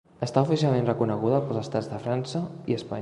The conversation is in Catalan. Està oficialment reconeguda pels Estats de França i Espanya.